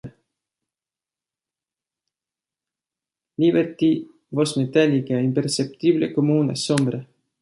Liberty, voz metálica, es imperceptible como una sombra.